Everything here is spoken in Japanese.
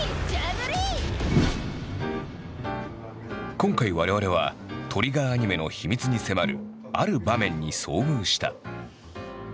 今回我々はＴＲＩＧＧＥＲアニメの秘密に迫るある場面に遭遇した。